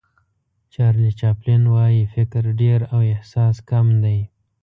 چارلي چاپلین وایي فکر ډېر او احساس کم دی.